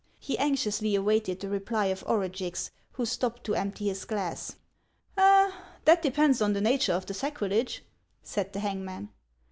He anxiously awaited the reply of Orugix, who stopped to empty his glass. " That depends on the nature of the sacrilege," said the hangman.